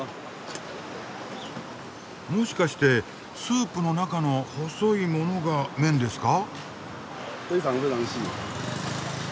もしかしてスープの中の細いものが麺ですか？